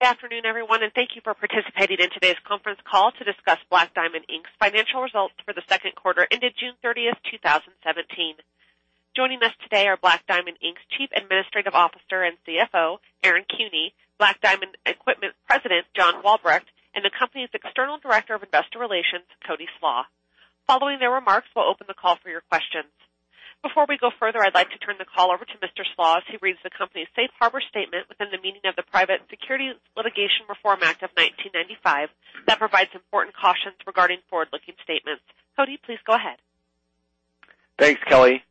Good afternoon, everyone, and thank you for participating in today's conference call to discuss Black Diamond Inc Financial results for the second quarter ended June 30th, 2017. Joining us today are Black Diamond Inc's Chief Administrative Officer and CFO, Aaron Kuehne, Black Diamond Equipment President, John Walbrecht, and the company's External Director of Investor Relations, Cody Slach. Following their remarks, we'll open the call for your questions. Before we go further, I'd like to turn the call over to Mr. Slach as he reads the company's safe harbor statement within the meaning of the Private Securities Litigation Reform Act of 1995 that provides important cautions regarding forward-looking statements. Cody, please go ahead. Thanks, Kelly.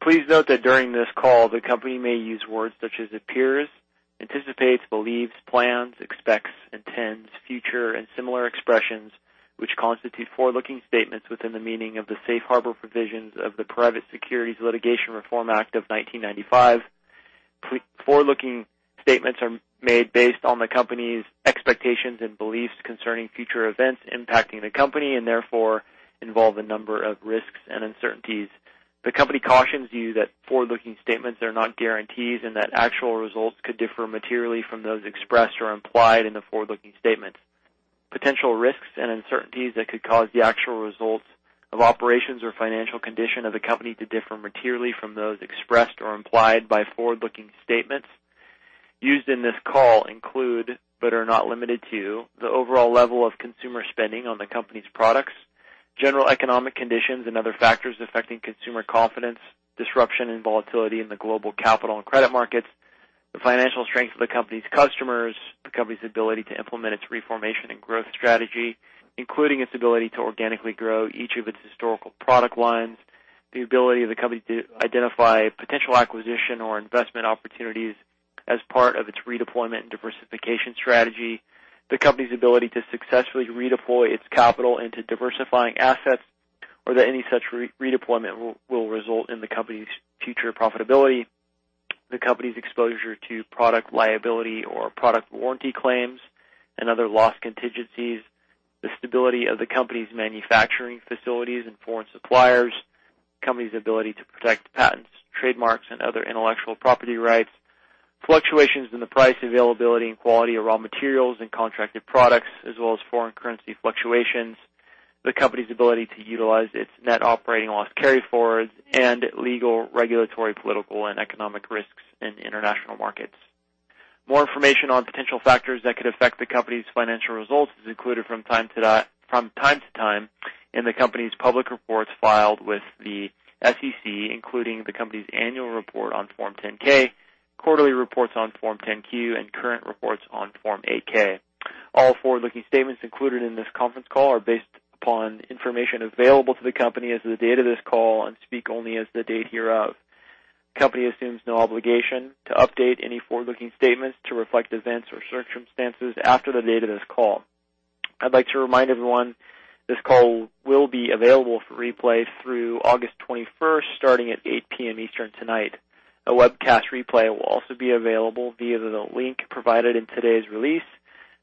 Please note that during this call, the company may use words such as appears, anticipates, believes, plans, expects, intends, future, and similar expressions, which constitute forward-looking statements within the meaning of the safe harbor provisions of the Private Securities Litigation Reform Act of 1995. Forward-looking statements are made based on the company's expectations and beliefs concerning future events impacting the company, and therefore, involve a number of risks and uncertainties. The company cautions you that forward-looking statements are not guarantees and that actual results could differ materially from those expressed or implied in the forward-looking statement. Potential risks and uncertainties that could cause the actual results of operations or financial condition of the company to differ materially from those expressed or implied by forward-looking statements used in this call include, but are not limited to, the overall level of consumer spending on the company's products, general economic conditions, and other factors affecting consumer confidence, disruption and volatility in the global capital and credit markets, the financial strength of the company's customers, the company's ability to implement its reformation and growth strategy, including its ability to organically grow each of its historical product lines, the ability of the company to identify potential acquisition or investment opportunities as part of its redeployment and diversification strategy. The company's ability to successfully redeploy its capital into diversifying assets, or that any such redeployment will result in the company's future profitability, the company's exposure to product liability or product warranty claims and other loss contingencies, the stability of the company's manufacturing facilities and foreign suppliers, the company's ability to protect patents, trademarks, and other intellectual property rights, fluctuations in the price, availability, and quality of raw materials and contracted products, as well as foreign currency fluctuations, the company's ability to utilize its Net Operating Loss carryforwards, and legal, regulatory, political, and economic risks in international markets. More information on potential factors that could affect the company's financial results is included from time to time in the company's public reports filed with the SEC, including the company's annual report on Form 10-K, quarterly reports on Form 10-Q, and current reports on Form 8-K. All forward-looking statements included in this conference call are based upon information available to the company as of the date of this call and speak only as the date hereof. The company assumes no obligation to update any forward-looking statements to reflect events or circumstances after the date of this call. I'd like to remind everyone this call will be available for replay through August 21st, starting at 8:00 P.M. Eastern tonight. A webcast replay will also be available via the link provided in today's release,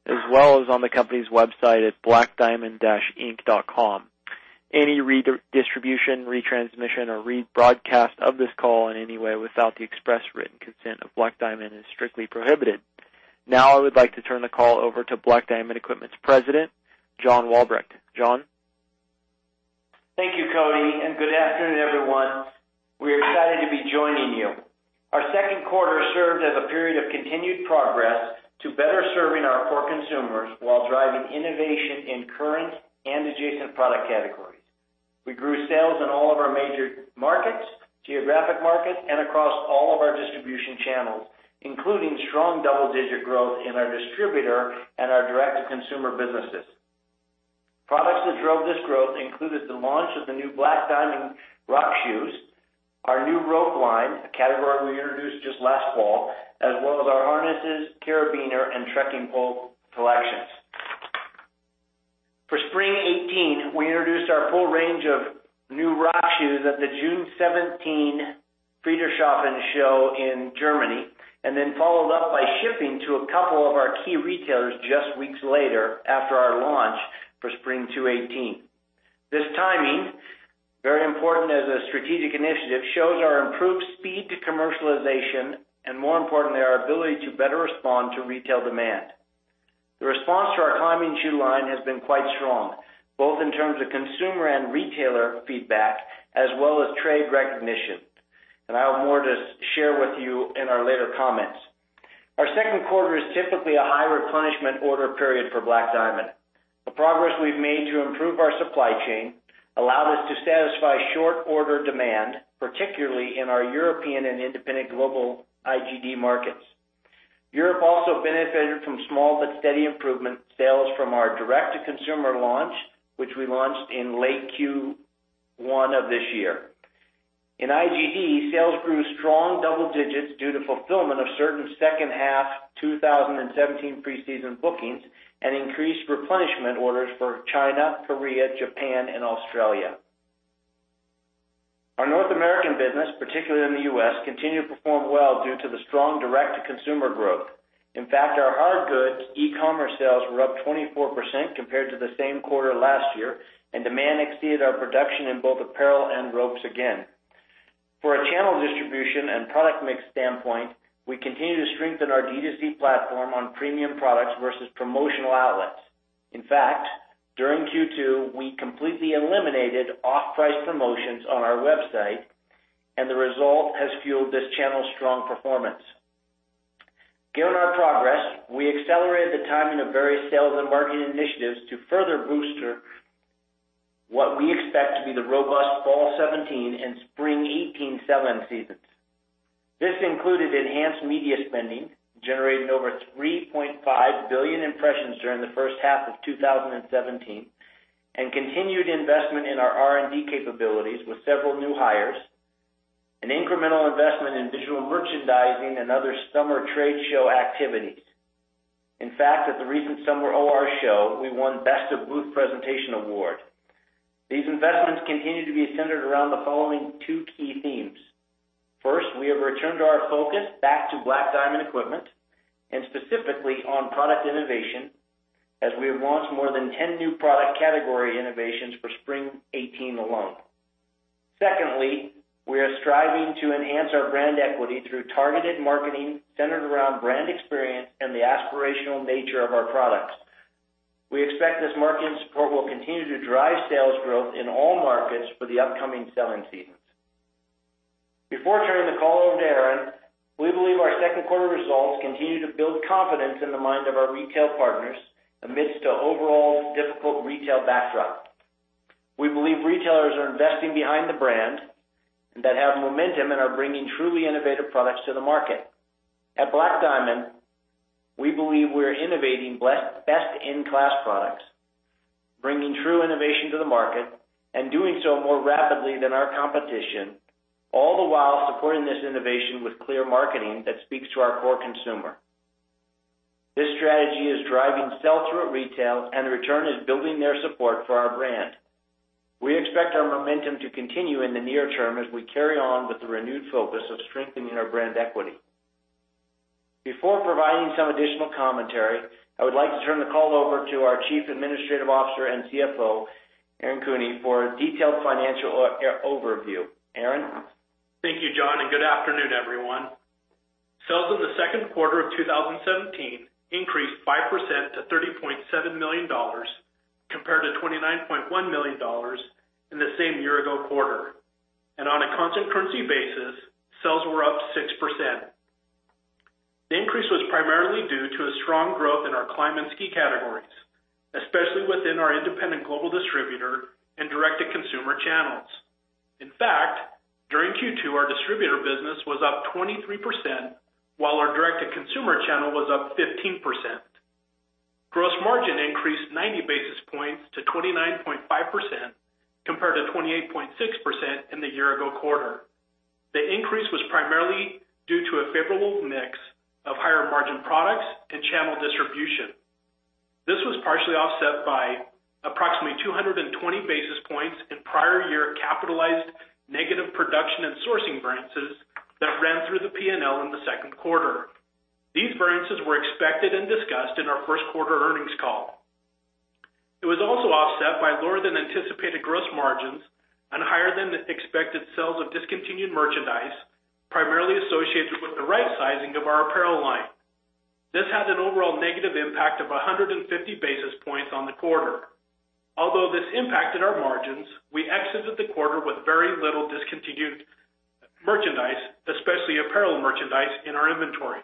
as well as on the company's website at blackdiamond-inc.com. Any redistribution, retransmission, or rebroadcast of this call in any way without the express written consent of Black Diamond is strictly prohibited. I would like to turn the call over to Black Diamond Equipment's President, John Walbrecht. John? Thank you, Cody. Good afternoon, everyone. We're excited to be joining you. Our second quarter served as a period of continued progress to better serving our core consumers while driving innovation in current and adjacent product categories. We grew sales in all of our major markets, geographic markets, and across all of our distribution channels, including strong double-digit growth in our distributor and our direct-to-consumer businesses. Products that drove this growth included the launch of the new Black Diamond rock shoes, our new rope line, a category we introduced just last fall, as well as our harnesses, carabiner, and trekking pole collections. For spring 2018, we introduced our full range of new rock shoes at the June 2017 Friedrichshafen Show in Germany, and then followed up by shipping to a couple of our key retailers just weeks later after our launch for spring 2018. This timing, very important as a strategic initiative, shows our improved speed to commercialization and, more importantly, our ability to better respond to retail demand. The response to our climbing shoe line has been quite strong, both in terms of consumer and retailer feedback, as well as trade recognition. I'll have more to share with you in our later comments. Our second quarter is typically a high replenishment order period for Black Diamond. The progress we've made to improve our supply chain allowed us to satisfy short order demand, particularly in our European and independent global IGD markets. Europe also benefited from small but steady improvement sales from our direct-to-consumer launch, which we launched in late Q1 of this year. In IGD, sales grew strong double digits due to fulfillment of certain second half 2017 pre-season bookings and increased replenishment orders for China, Korea, Japan, and Australia. Our North American business, particularly in the U.S., continued to perform well due to the strong direct-to-consumer growth. In fact, our hard goods e-commerce sales were up 24% compared to the same quarter last year, and demand exceeded our production in both apparel and ropes again. For a channel distribution and product mix standpoint, we continue to strengthen our D2C platform on premium products versus promotional outlets. In fact, during Q2, we completely eliminated off-price promotions on our website, and the result has fueled this channel's strong performance. Given our progress, we accelerated the timing of various sales and marketing initiatives to further bolster what we expect to be the robust fall 2017 and spring 2018 selling seasons. This included enhanced media spending, generating over 3.5 billion impressions during the first half of 2017, and continued investment in our R&D capabilities with several new hires, an incremental investment in visual merchandising and other summer trade show activities. In fact, at the recent summer OR Show, we won Best of Booth Presentation Award. These investments continue to be centered around the following two key themes. First, we have returned our focus back to Black Diamond Equipment and specifically on product innovation, as we have launched more than 10 new product category innovations for spring 2018 alone. Secondly, we are striving to enhance our brand equity through targeted marketing centered around brand experience and the aspirational nature of our products. We expect this marketing support will continue to drive sales growth in all markets for the upcoming selling seasons. Before turning the call over to Aaron, we believe our second quarter results continue to build confidence in the mind of our retail partners amidst a overall difficult retail backdrop. We believe retailers are investing behind the brand and that have momentum and are bringing truly innovative products to the market. At Black Diamond, we believe we're innovating best-in-class products, bringing true innovation to the market, and doing so more rapidly than our competition, all the while supporting this innovation with clear marketing that speaks to our core consumer. This strategy is driving sell-through at retail, and the return is building their support for our brand. We expect our momentum to continue in the near term as we carry on with the renewed focus of strengthening our brand equity. Before providing some additional commentary, I would like to turn the call over to our Chief Administrative Officer and CFO, Aaron Kuehne, for a detailed financial overview. Aaron? Thank you, John. Good afternoon, everyone. Sales in the second quarter of 2017 increased 5% to $30.7 million, compared to $29.1 million in the same year-ago quarter. On a constant currency basis, sales were up 6%. The increase was primarily due to a strong growth in our climb and ski categories, especially within our independent global distributor and direct-to-consumer channels. In fact, during Q2, our distributor business was up 23%, while our direct-to-consumer channel was up 15%. Gross margin increased 90 basis points to 29.5%, compared to 28.6% in the year-ago quarter. The increase was primarily due to a favorable mix of higher-margin products and channel distribution. This was partially offset by approximately 220 basis points in prior year capitalized negative production and sourcing variances that ran through the P&L in the second quarter. These variances were expected and discussed in our first quarter earnings call. It was also offset by lower-than-anticipated gross margins on higher-than-expected sales of discontinued merchandise, primarily associated with the right sizing of our apparel line. This had an overall negative impact of 150 basis points on the quarter. Although this impacted our margins, we exited the quarter with very little discontinued merchandise, especially apparel merchandise, in our inventory.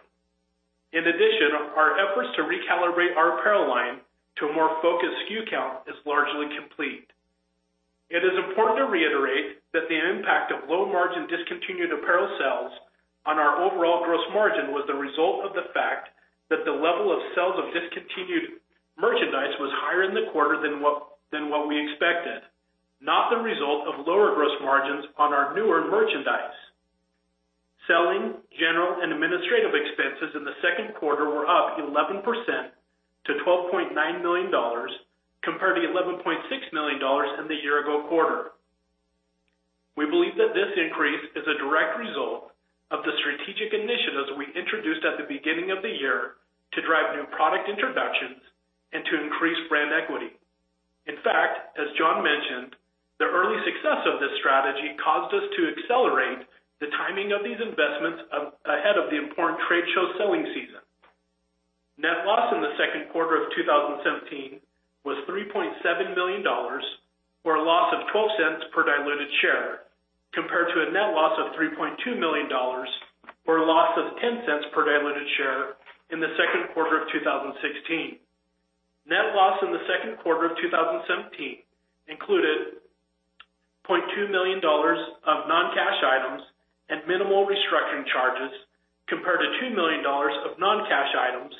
In addition, our efforts to recalibrate our apparel line to a more focused SKU count is largely complete. It is important to reiterate that the impact of low-margin discontinued apparel sales on our overall gross margin was the result of the fact that the level of sales of discontinued merchandise was higher in the quarter than what we expected, not the result of lower gross margins on our newer merchandise. Selling, general, and administrative expenses in the second quarter were up 11% to $12.9 million, compared to $11.6 million in the year-ago quarter. We believe that this increase is a direct result of the strategic initiatives we introduced at the beginning of the year to drive new product introductions and to increase brand equity. In fact, as John mentioned, the early success of this strategy caused us to accelerate the timing of these investments ahead of the important trade show selling season. Net loss in the second quarter of 2017 was $3.7 million, or a loss of $0.12 per diluted share, compared to a net loss of $3.2 million, or a loss of $0.10/diluted share in the second quarter of 2016. Net loss in the second quarter of 2017 included $0.2 million of non-cash items and minimal restructuring charges, compared to $2 million of non-cash items,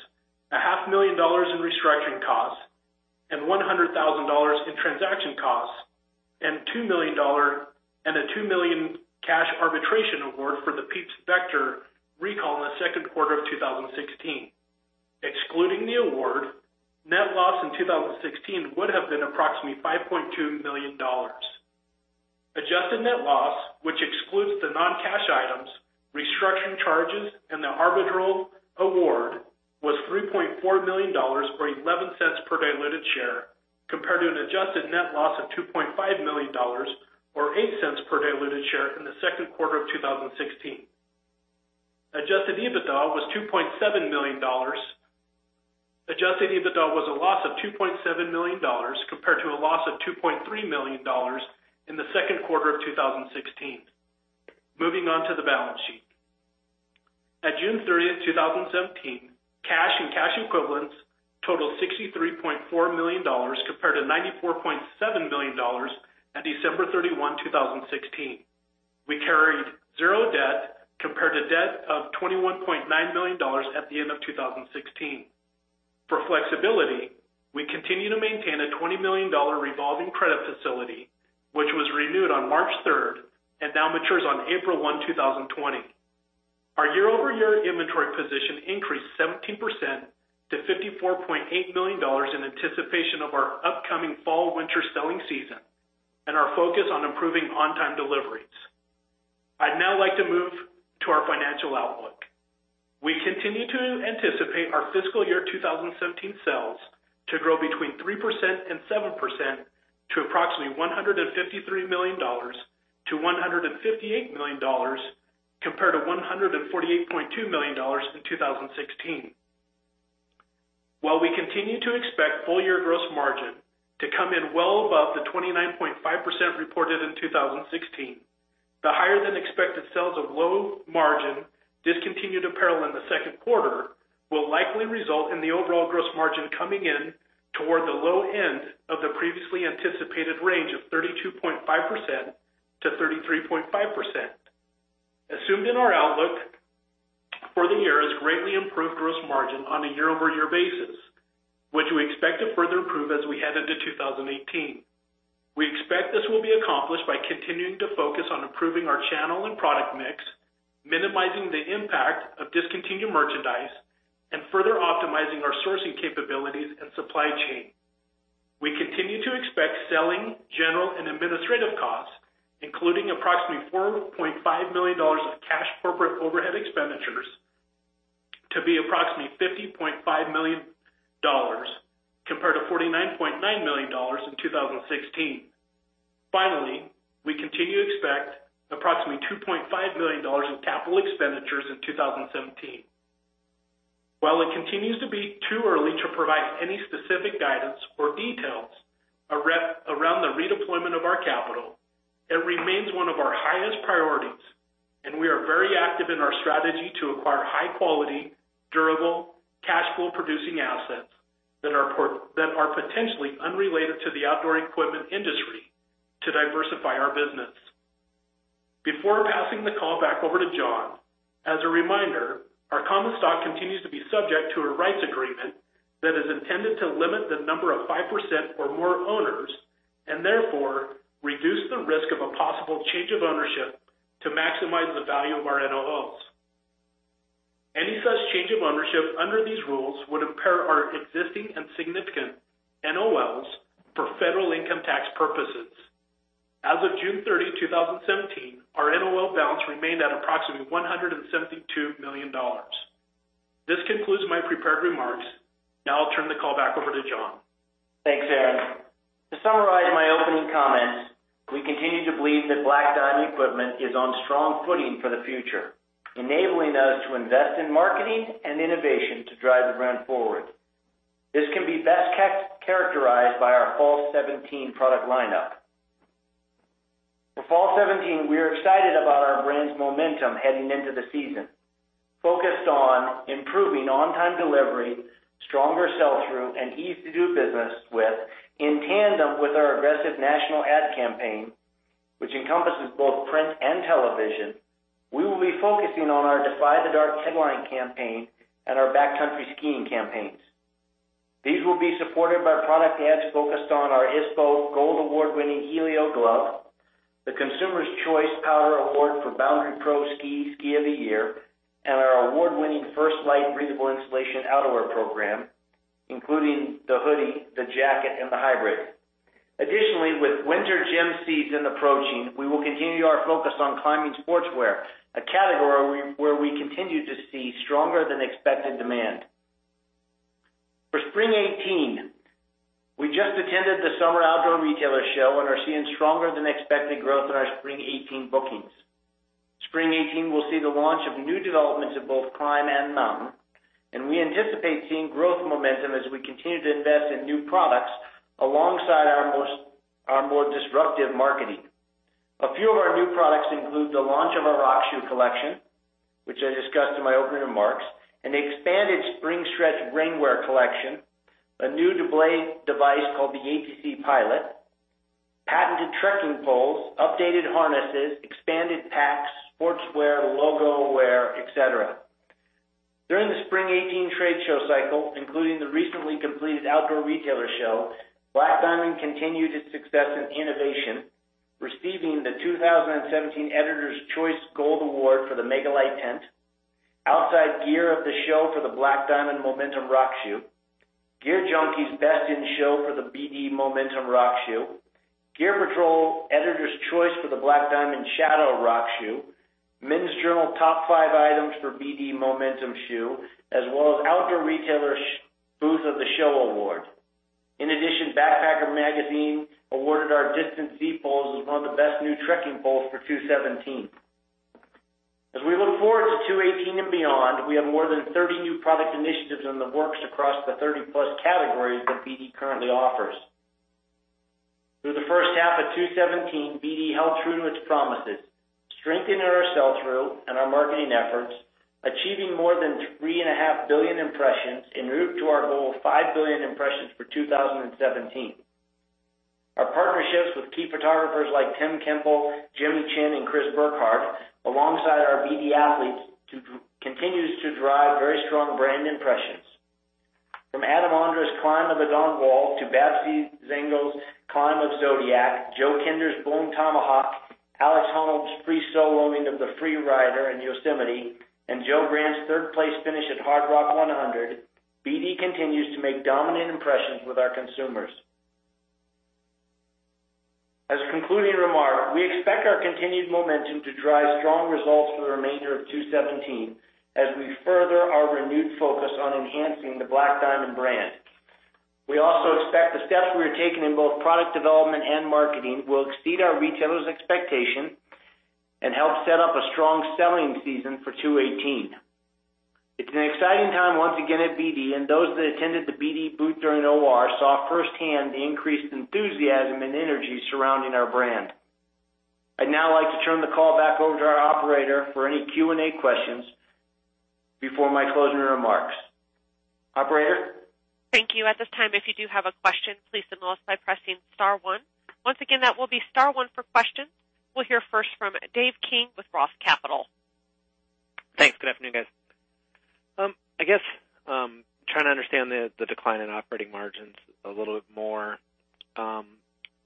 a half million dollars in restructuring costs and $100,000 in transaction costs and a $2 million cash arbitration award for the Pieps Vector recall in the second quarter of 2016. Excluding the award, net loss in 2016 would have been approximately $5.2 million. Adjusted net loss, which excludes the non-cash items, restructuring charges, and the arbitral award was $3.4 million, or $0.11/diluted share, compared to an adjusted net loss of $2.5 million or $0.08/diluted share in the second quarter of 2016. Adjusted EBITDA was a loss of $2.7 million compared to a loss of $2.3 million in the second quarter of 2016. Moving on to the balance sheet. At June 30th, 2017, cash and cash equivalents totaled $63.4 million compared to $94.7 million at December 31, 2016. We carried zero debt compared to debt of $21.9 million at the end of 2016. For flexibility, we continue to maintain a $20 million revolving credit facility, which was renewed on March 3rd and now matures on April 1, 2020. Our year-over-year inventory position increased 17% to $54.8 million in anticipation of our upcoming fall/winter selling season and our focus on improving on-time deliveries. I'd now like to move to our financial outlook. We continue to anticipate our fiscal year 2017 sales to grow between 3% and 7% to approximately $153 million-$158 million, compared to $148.2 million in 2016. While we continue to expect full year gross margin to come in well above the 29.5% reported in 2016, the higher than expected sales of low margin discontinued apparel in the second quarter will likely result in the overall gross margin coming in toward the low end of the previously anticipated range of 32.5%-33.5%. Assumed in our outlook for the year is greatly improved gross margin on a year-over-year basis, which we expect to further improve as we head into 2018. We expect this will be accomplished by continuing to focus on improving our channel and product mix, minimizing the impact of discontinued merchandise, and further optimizing our sourcing capabilities and supply chain. We continue to expect selling, general, and administrative costs, including approximately $4.5 million of cash corporate overhead expenditures, to be approximately $50.5 million compared to $49.9 million in 2016. We continue to expect approximately $2.5 million in capital expenditures in 2017. While it continues to be too early to provide any specific guidance or details around the redeployment of our capital, it remains one of our highest priorities and we are very active in our strategy to acquire high-quality, durable, cash flow producing assets that are potentially unrelated to the outdoor equipment industry to diversify our business. Before passing the call back over to John, as a reminder, our common stock continues to be subject to a rights agreement that is intended to limit the number of 5% or more owners, and therefore reduce the risk of a possible change of ownership to maximize the value of our NOLs. Any such change of ownership under these rules would impair our existing and significant NOLs for federal income tax purposes. As of June 30, 2017, our NOL balance remained at approximately $172 million. This concludes my prepared remarks. I'll turn the call back over to John. Thanks, Aaron. To summarize my opening comments, we continue to believe that Black Diamond Equipment is on strong footing for the future, enabling us to invest in marketing and innovation to drive the brand forward. This can be best characterized by our fall 2017 product lineup. For fall 2017, we are excited about our brand's momentum heading into the season, focused on improving on-time delivery, stronger sell-through, and ease to do business with. In tandem with our aggressive national ad campaign, which encompasses both print and television, we will be focusing on our Defy the Dark headline campaign and our backcountry skiing campaigns. These will be supported by product ads focused on our ISPO Gold Award-winning Helio Glove, the Consumers Choice Powder Award for Boundary Pro Ski of the Year, and our award-winning First Light breathable insulation outerwear program, including the hoodie, the jacket, and the hybrid. Additionally, with winter gym season approaching, we will continue our focus on climbing sportswear, a category where we continue to see stronger than expected demand. For spring 2018, we just attended the Summer Outdoor Retailer Show and are seeing stronger than expected growth in our spring 2018 bookings. Spring 2018 will see the launch of new developments in both climb and mountain, and we anticipate seeing growth momentum as we continue to invest in new products alongside our more disruptive marketing. A few of our new products include the launch of a rock shoe collection, which I discussed in my opening remarks, an expanded Spring Stretch rainwear collection, a new device called the ATC Pilot, patented trekking poles, updated harnesses, expanded packs, sportswear, logo wear, et cetera. During the spring 2018 trade show cycle, including the recently completed Outdoor Retailer Show, Black Diamond continued its success in innovation, receiving the 2017 Editors' Choice Gold Award for the Mega Light tent, Outside Gear of the Show for the Black Diamond Momentum rock shoe, GearJunkie's Best in Show for the BD Momentum rock shoe, Gear Patrol Editor's Choice for the Black Diamond Shadow rock shoe, Men's Journal Top Five Items for BD Momentum shoe, as well as Outdoor Retailer Booth of the Show award. In addition, Backpacker Magazine awarded our Distance Z poles as one of the best new trekking poles for 2017. As we look forward to 2018 and beyond, we have more than 30 new product initiatives in the works across the 30-plus categories that BD currently offers. Through the first half of 2017, BD held true to its promises, strengthening our sell-through and our marketing efforts, achieving more than three and a half billion impressions en route to our goal of five billion impressions for 2017. Our partnerships with key photographers like Tim Kemple, Jimmy Chin, and Chris Burkard, alongside our BD athletes, continues to drive very strong brand impressions. From Adam Ondra's climb of the Dawn Wall to Babsi Zangerl's climb of Zodiac, Joe Kinder's Bone Tomahawk, Alex Honnold's free soloing of the Freerider in Yosemite, and Joe Grant's third-place finish at Hardrock 100, BD continues to make dominant impressions with our consumers. As a concluding remark, we expect our continued momentum to drive strong results for the remainder of 2017, as we further our renewed focus on enhancing the Black Diamond brand. We also expect the steps we are taking in both product development and marketing will exceed our retailers' expectations and help set up a strong selling season for 2018. It's an exciting time once again at BD, and those that attended the BD booth during OR saw firsthand the increased enthusiasm and energy surrounding our brand. I'd now like to turn the call back over to our operator for any Q&A questions before my closing remarks. Operator? Thank you. At this time, if you do have a question, please signal us by pressing star one. Once again, that will be star one for questions. We'll hear first from Dave King with ROTH Capital. Thanks. Good afternoon, guys. I guess, trying to understand the decline in operating margins a little bit more.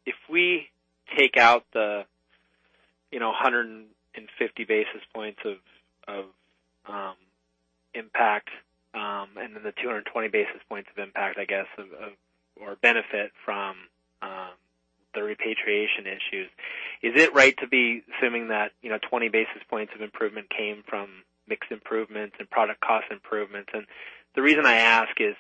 If we take out the 150 basis points of impact, then the 220 basis points of impact, I guess, or benefit from the repatriation issues, is it right to be assuming that 20 basis points of improvement came from mix improvements and product cost improvements? The reason I ask is,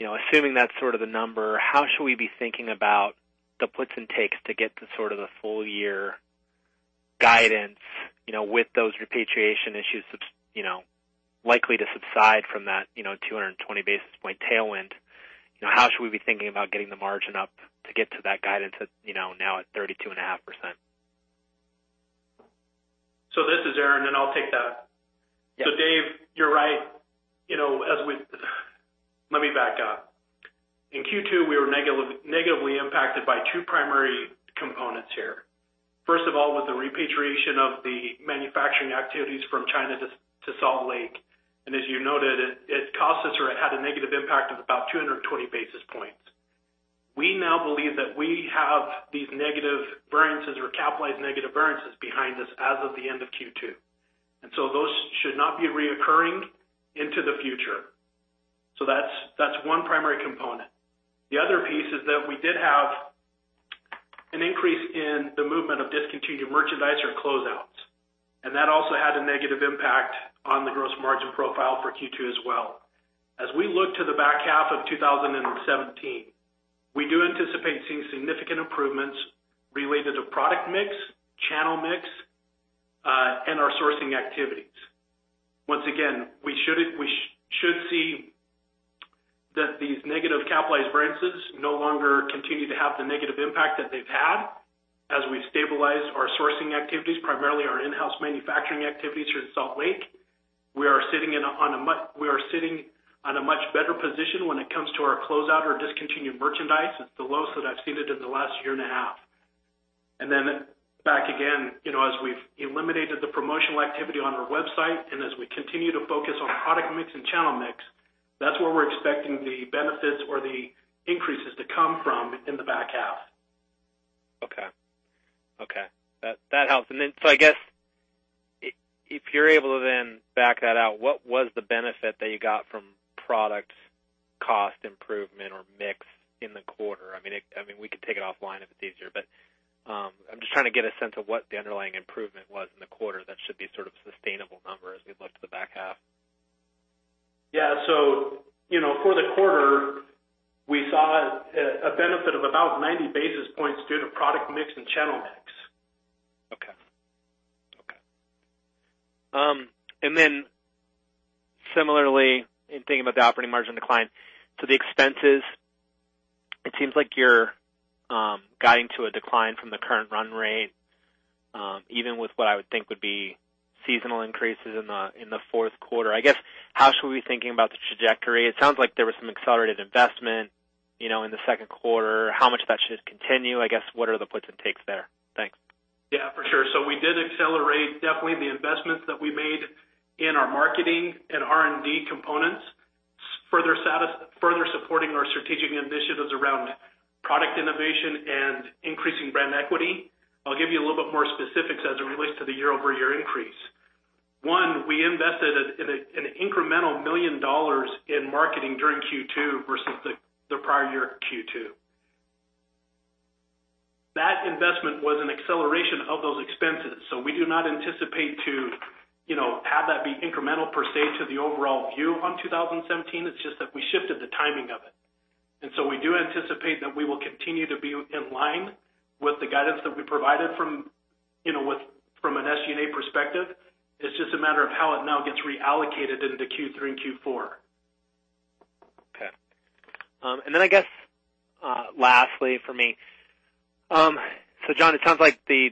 assuming that's sort of the number, how should we be thinking about the puts and takes to get to sort of the full year guidance with those repatriation issues likely to subside from that 220 basis point tailwind? How should we be thinking about getting the margin up to get to that guidance at now at 32.5%? This is Aaron, and I'll take that. Yeah. Dave, you're right. Let me back up. In Q2, we were negatively impacted by two primary components here. First of all, with the repatriation of the manufacturing activities from China to Salt Lake. As you noted, it cost us, or it had a negative impact of about 220 basis points. We now believe that we have these negative variances or capitalized negative variances behind us as of the end of Q2, those should not be reoccurring into the future. That's one primary component. The other piece is that we did have an increase in the movement of discontinued merchandise or closeouts, that also had a negative impact on the gross margin profile for Q2 as well. As we look to the back half of 2017, we do anticipate seeing significant improvements related to product mix, channel mix, and our sourcing activities. Once again, we should see that these negative capitalized variances no longer continue to have the negative impact that they've had as we stabilize our sourcing activities, primarily our in-house manufacturing activities here in Salt Lake. We are sitting on a much better position when it comes to our closeout or discontinued merchandise. It's the lowest that I've seen it in the last year and a half. Then back again, as we've eliminated the promotional activity on our website, and as we continue to focus on product mix and channel mix, that's where we're expecting the benefits or the increases to come from in the back half. Okay. That helps. I guess, if you're able to then back that out, what was the benefit that you got from product cost improvement or mix in the quarter? We can take it offline if it's easier, but I'm just trying to get a sense of what the underlying improvement was in the quarter that should be sort of sustainable number as we look to the back half. Yeah. For the quarter, we saw a benefit of about 90 basis points due to product mix and channel mix. Okay. Similarly, in thinking about the operating margin decline, the expenses, it seems like you're guiding to a decline from the current run rate, even with what I would think would be seasonal increases in the fourth quarter. I guess, how should we be thinking about the trajectory? It sounds like there was some accelerated investment in the second quarter. How much that should continue. I guess, what are the puts and takes there? Thanks. Yeah, for sure. We did accelerate, definitely, the investments that we made in our marketing and R&D components, further supporting our strategic initiatives around product innovation and increasing brand equity. I'll give you a little bit more specifics as it relates to the year-over-year increase. One, we invested an incremental $1 million in marketing during Q2 versus the prior year Q2. That investment was an acceleration of those expenses. We do not anticipate to have that be incremental per se to the overall view on 2017. It's just that we shifted the timing of it. We do anticipate that we will continue to be in line with the guidance that we provided from an SG&A perspective. It's just a matter of how it now gets reallocated into Q3 and Q4. Okay. I guess, lastly for me, John, it sounds like the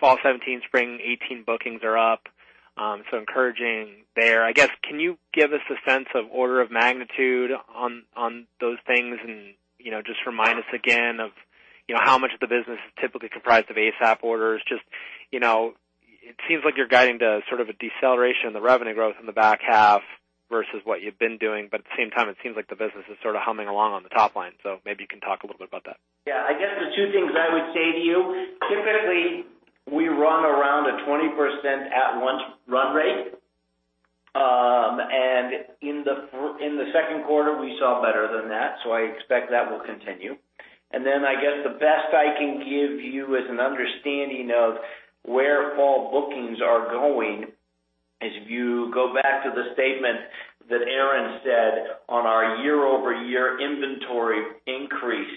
fall 2017, spring 2018 bookings are up, encouraging there. I guess, can you give us a sense of order of magnitude on those things and just remind us again of how much of the business is typically comprised of ASAP orders? Just, it seems like you're guiding to sort of a deceleration in the revenue growth in the back half versus what you've been doing. At the same time, it seems like the business is sort of humming along on the top line. Maybe you can talk a little bit about that. Yeah. I guess the two things I would say to you, typically, we run around a 20% at-once run rate. In the second quarter, we saw better than that, so I expect that will continue. I guess the best I can give you as an understanding of where fall bookings are going is, if you go back to the statement that Aaron said on our year-over-year inventory increase,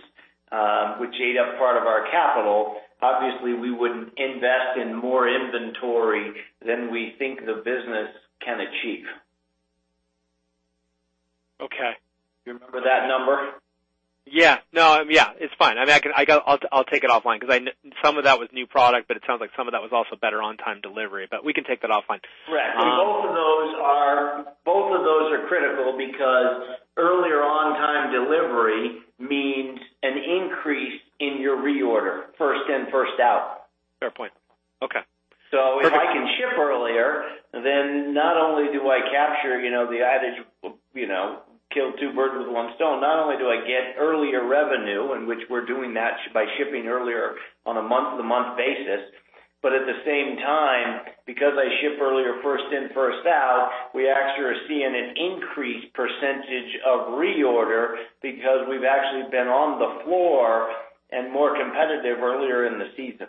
which ate up part of our capital. Obviously, we wouldn't invest in more inventory than we think the business can achieve. Okay. You remember that number? Yeah. No, yeah, it's fine. I'll take it offline because some of that was new product, but it sounds like some of that was also better on-time delivery, but we can take that offline. Right. Both of those are critical because earlier on-time delivery means an increase in your reorder, first in, first out. Fair point. Okay. If I can ship earlier, not only do I capture the adage, kill two birds with one stone. Not only do I get earlier revenue, in which we're doing that by shipping earlier on a month-to-month basis, at the same time, because I ship earlier, first in, first out, we actually are seeing an increased percentage of reorder because we've actually been on the floor and more competitive earlier in the season.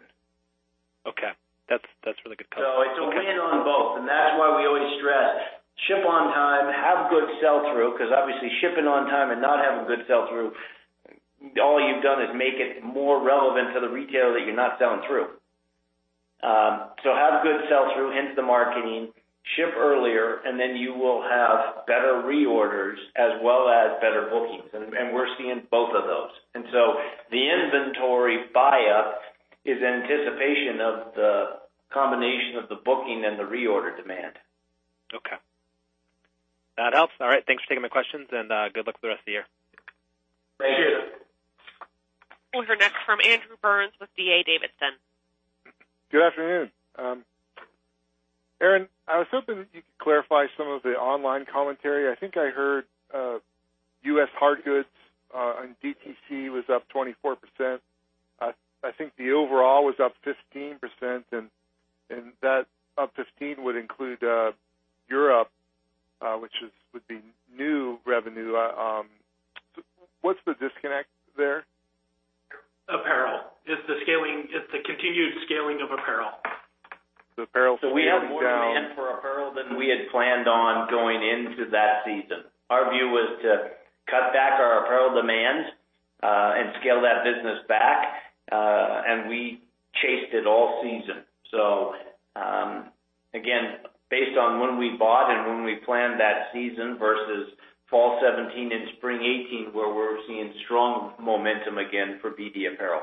Okay. That's really good color. It's a win on both. That's why we always stress, ship on time, have good sell-through, because obviously shipping on time and not having good sell-through, all you've done is make it more relevant to the retailer that you're not selling through. Have good sell-through, hence the marketing, ship earlier, and then you will have better reorders as well as better bookings. We're seeing both of those. The inventory buyup is anticipation of the combination of the booking and the reorder demand. Okay. That helps. All right. Thanks for taking my questions, and good luck with the rest of the year. Thank you. We'll hear next from Andrew Burns with D.A. Davidson. Good afternoon. Aaron, I was hoping that you could clarify some of the online commentary. I think I heard U.S. hard goods on DTC was up 24%. I think the overall was up 15%. That up 15% would include Europe, which would be new revenue. What's the disconnect there? Apparel. It's the continued scaling of apparel. The apparel scaling down. We have more demand for apparel than we had planned on going into that season. Our view was to cut back our apparel demands and scale that business back. We chased it all season. Again, based on when we bought and when we planned that season versus fall 2017 and spring 2018, where we're seeing strong momentum again for BD apparel.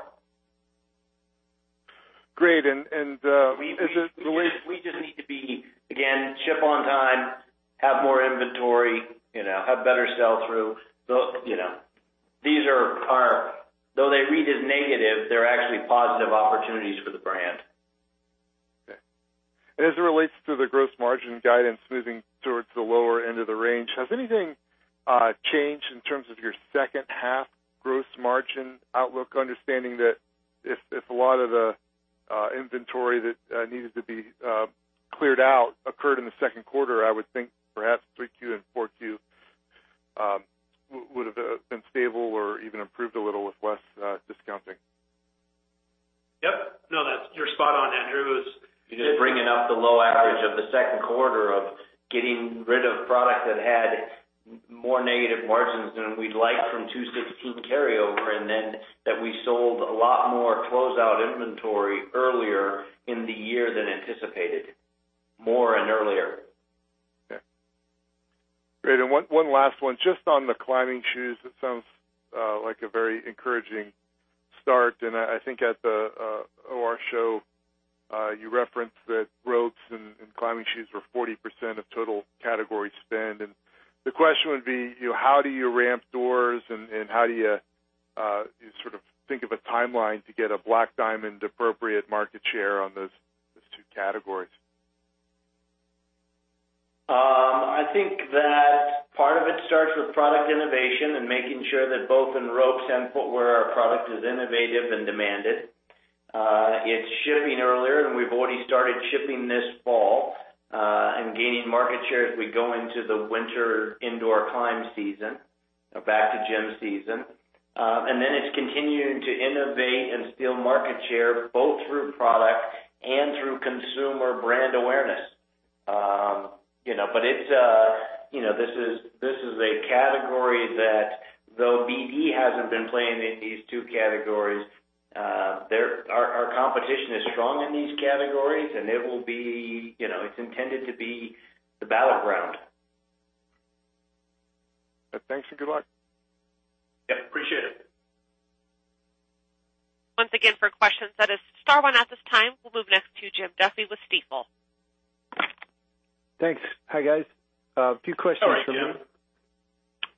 Great. We just need to be, again, ship on time, have more inventory, have better sell-through. Though they read as negative, they're actually positive opportunities for the brand. Okay. As it relates to the gross margin guidance moving towards the lower end of the range, has anything changed in terms of your second-half gross margin outlook? Understanding that if a lot of the inventory that needed to be cleared out occurred in the second quarter, I would think perhaps 3Q and 4Q would have been stable or even improved a little with less discounting. Yep. No, you're spot on, Andrew. You're just bringing up the low average of the second quarter of getting rid of product that had more negative margins than we'd like from 2016 carryover, and then that we sold a lot more closeout inventory earlier in the year than anticipated. More and earlier. Okay. Great. One last one, just on the climbing shoes, it sounds like a very encouraging start, and I think at the OR Show, you referenced that ropes and climbing shoes were 40% of total category spend. The question would be, how do you ramp doors, and how do you sort of think of a timeline to get a Black Diamond appropriate market share on those two categories? I think that part of it starts with product innovation and making sure that both in ropes and footwear, our product is innovative and demanded. It's shipping earlier, and we've already started shipping this fall, and gaining market share as we go into the winter indoor climb season, back to gym season. Then it's continuing to innovate and steal market share, both through product and through consumer brand awareness. This is a category that, though BD hasn't been playing in these two categories, our competition is strong in these categories, and it's intended to be the battleground. Thanks and good luck. Yep, appreciate it. Once again, for questions, that is star one at this time. We'll move next to Jim Duffy with Stifel. Thanks. Hi, guys. A few questions. All right,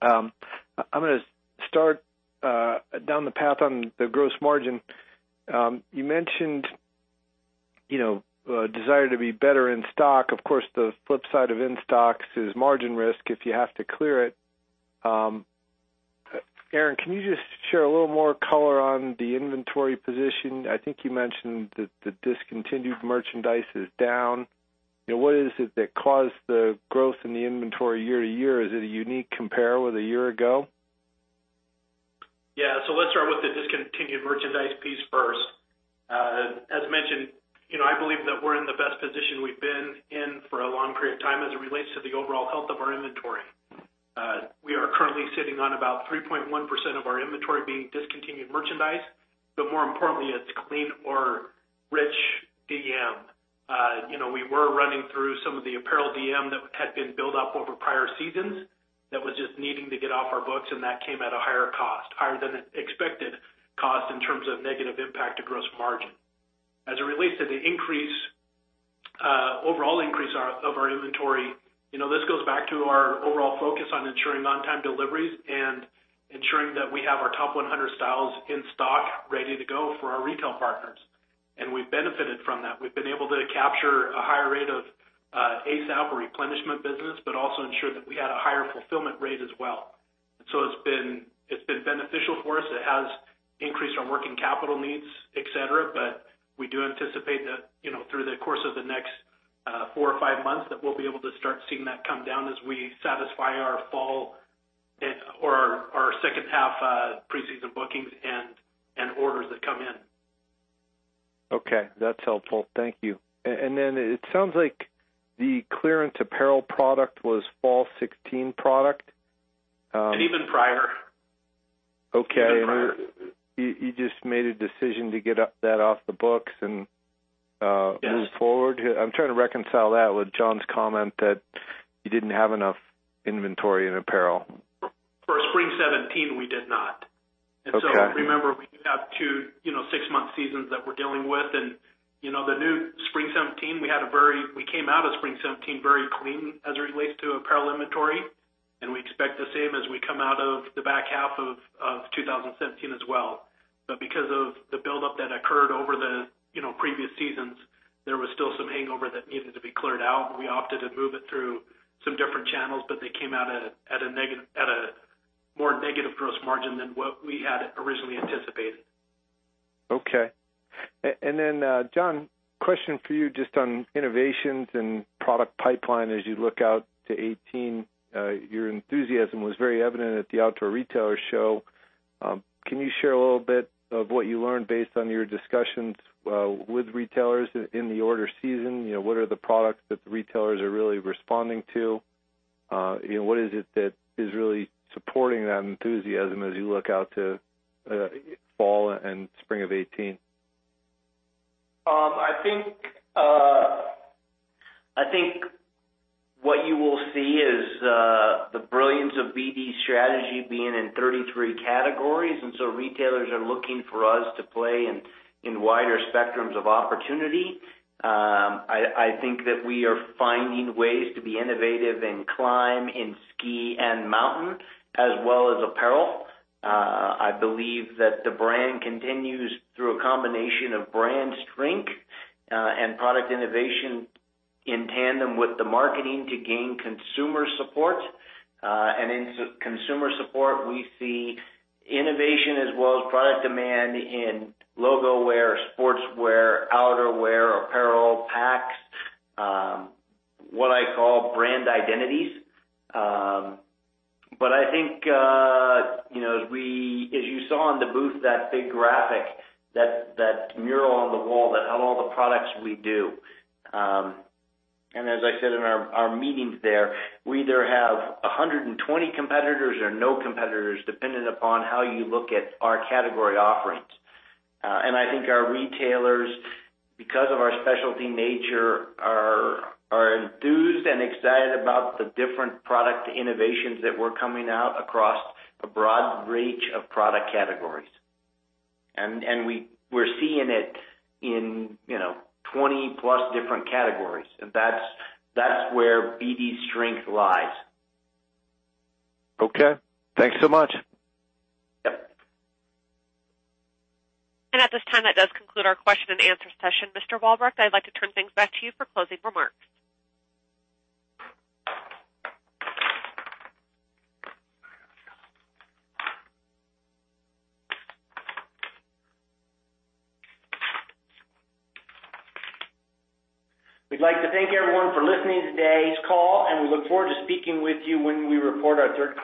Jim. I'm going to start down the path on the gross margin. You mentioned a desire to be better in stock. Of course, the flip side of in-stocks is margin risk if you have to clear it. Aaron, can you just share a little more color on the inventory position? I think you mentioned that the discontinued merchandise is down. What is it that caused the growth in the inventory year-over-year? Is it a unique compare with a year ago? Let's start with the discontinued merchandise piece first. As mentioned, I believe that we're in the best position we've been in for a long period of time as it relates to the overall health of our inventory. We are currently sitting on about 3.1% of our inventory being discontinued merchandise, but more importantly, it's clean or rich DM. We were running through some of the apparel DM that had been built up over prior seasons that was just needing to get off our books, that came at a higher cost, higher than expected cost in terms of negative impact to gross margin. As it relates to the overall increase of our inventory, this goes back to our overall focus on ensuring on-time deliveries and ensuring that we have our top 100 styles in stock ready to go for our retail partners, we've benefited from that. We've been able to capture a higher rate of ASAP or replenishment business, also ensure that we had a higher fulfillment rate as well. It's been beneficial for us. It has increased our working capital needs, et cetera, we do anticipate that through the course of the next four or five months, that we'll be able to start seeing that come down as we satisfy our fall or our second half pre-season bookings and orders that come in. Okay. That's helpful. Thank you. Then it sounds like the clearance apparel product was fall 2016 product. Even prior. Okay. Even prior. You just made a decision to get that off the books. Yes. Move forward. I'm trying to reconcile that with John's comment that you didn't have enough inventory and apparel. For spring 2017, we did not. Okay. Remember, we have two six-month seasons that we're dealing with. The new spring 2017, we came out of spring 2017 very clean as it relates to apparel inventory, and we expect the same as we come out of the back half of 2017 as well. Because of the buildup that occurred over the previous seasons, there was still some hangover that needed to be cleared out. We opted to move it through some different channels, but they came out at a more negative gross margin than what we had originally anticipated. Okay. John, question for you just on innovations and product pipeline as you look out to 2018. Your enthusiasm was very evident at the Outdoor Retailer show. Can you share a little bit of what you learned based on your discussions with retailers in the order season? What are the products that the retailers are really responding to? What is it that is really supporting that enthusiasm as you look out to fall and spring of 2018? I think what you will see is the brilliance of BD's strategy being in 33 categories, and so retailers are looking for us to play in wider spectrums of opportunity. I think that we are finding ways to be innovative in climb, in ski and mountain, as well as apparel. I believe that the brand continues through a combination of brand strength and product innovation in tandem with the marketing to gain consumer support. In consumer support, we see innovation as well as product demand in logo wear, sportswear, outerwear, apparel, packs, what I call brand identities. I think as you saw on the booth, that big graphic, that mural on the wall that had all the products we do. As I said in our meetings there, we either have 120 competitors or no competitors, depending upon how you look at our category offerings. I think our retailers, because of our specialty nature, are enthused and excited about the different product innovations that were coming out across a broad range of product categories. We're seeing it in 20-plus different categories. That's where BD's strength lies. Okay. Thanks so much. Yep. At this time, that does conclude our question and answer session. Mr. Walbrecht, I'd like to turn things back to you for closing remarks. We'd like to thank everyone for listening to today's call, and we look forward to speaking with you when we report our third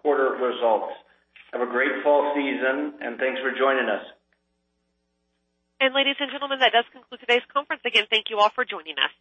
quarter results. Have a great fall season, and thanks for joining us. Ladies and gentlemen, that does conclude today's conference. Again, thank you all for joining us.